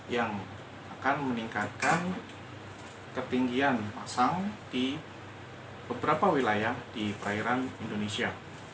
yang akan meningkatkan ketinggian pasang di beberapa wilayah di perairan indonesia